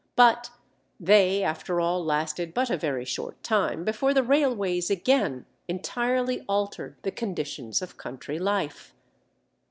But they after all lasted but a very short time before the railways again entirely altered the conditions of country life.